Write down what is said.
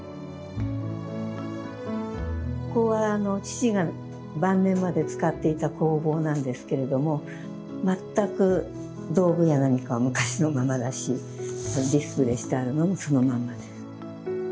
ここは父が晩年まで使っていた工房なんですけれども全く道具や何かは昔のままだしディスプレーしてあるのもそのまんまです。